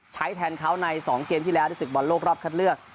ใช้แทนเขาใน๒เกมที่แล้วที่๑๐บอลโลกรอบคันเลือก